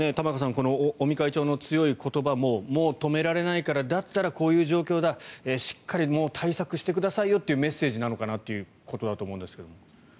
この尾身会長の強い言葉もう止められないからだったら、こういう状況だしっかり対策してくださいよというメッセージなのかなと思うんですが。